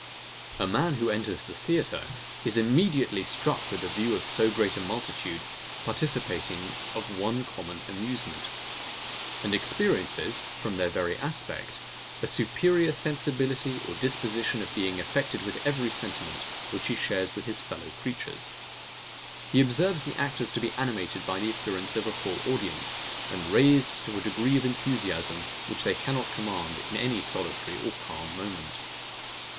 A man who enters the theatre, is immediately struck with the view of so great a multitude, participating of one common amusement; and experiences, from their very aspect, a superior sensibility or disposition of being affected with every sentiment, which he shares with his fellow creatures. He observes the actors to be animated by the appearance of a full audience, and raised to a degree of enthusiasm, which they cannot command in any solitary or calm moment.